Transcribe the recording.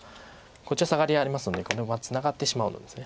こっちはサガリありますのでこれはツナがってしまうんです。